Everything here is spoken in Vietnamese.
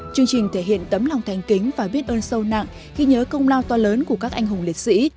chương trình thể hiện tấm lòng thành kính và biết ơn sâu nặng ghi nhớ công lao to lớn của các anh hùng liệt sĩ